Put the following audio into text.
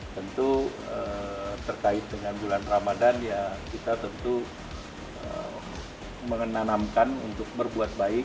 tentu terkait dengan bulan ramadan ya kita tentu menanamkan untuk berbuat baik